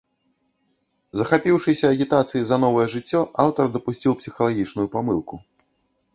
Захапіўшыся агітацыяй за новае жыццё, аўтар дапусціў псіхалагічную памылку.